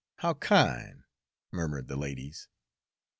How kin'!" murmured the ladies.